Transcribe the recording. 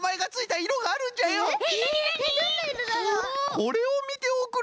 これをみておくれ！